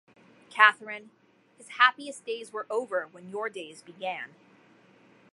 Catherine, his happiest days were over when your days began.